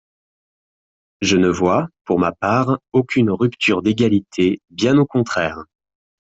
Je ne vois, pour ma part, aucune rupture d’égalité, bien au contraire.